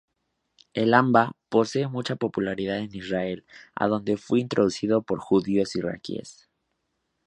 El "amba" posee mucha popularidad en Israel, adonde fue introducido por judíos iraquíes.